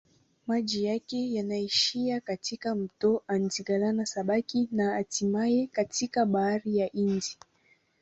Maji yake yanaishia katika mto Athi-Galana-Sabaki na hatimaye katika Bahari ya Hindi.